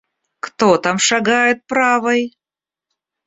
Кто там шагает правой?